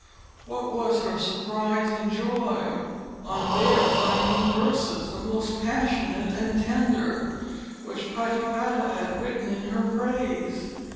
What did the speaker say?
What was her surprise and joy, on there finding verses, the most passionate and tender, which Patipata had written in her praise!